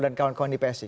dan kawan kawan di psi